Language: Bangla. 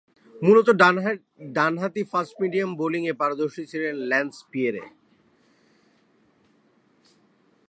মূলতঃ ডানহাতি ফাস্ট-মিডিয়াম বোলিংয়ে পারদর্শী ছিলেন ল্যান্স পিয়েরে।